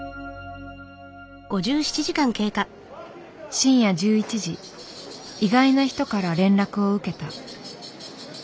深夜１１時意外な人から連絡を受けた。